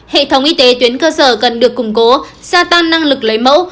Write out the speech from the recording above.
hệ thống y tế tuyến cơ sở cần được củng cố gia tăng năng lực lấy mẫu